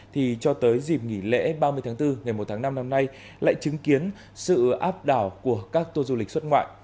thì cho tới dịp nghỉ lễ ba mươi tháng bốn ngày một tháng năm năm nay lại chứng kiến sự áp đảo của các tour du lịch xuất ngoại